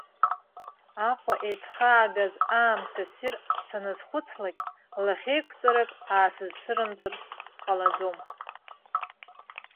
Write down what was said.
Аҟәа еицҳхаагаз аамҭа ссир саназхәыцлакь, лахьеиқәҵарак аасызцәырымҵыр ҟалаӡом.